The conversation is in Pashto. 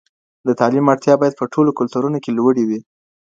د تعلیم اړتیا باید په ټولو کلتورونو کي لوړي وي.